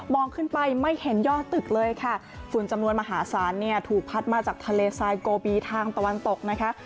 ขึ้นไปไม่เห็นยอดตึกเลยค่ะฝุ่นจำนวนมหาศาลเนี่ยถูกพัดมาจากทะเลทรายโกบีทางตะวันตกนะคะ